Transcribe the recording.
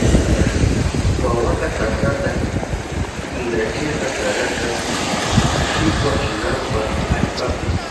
Wawaka tasata kinkrayachirka sarata shikwachinanpa allpapi.